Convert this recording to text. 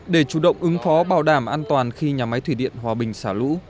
để chủ động ứng phó bảo đảm an toàn khi nhà máy thủy điện hòa bình xả lũ